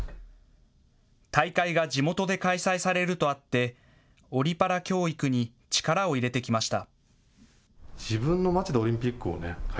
大会が地元で開催されるとあってオリパラ教育に力を入れてきました。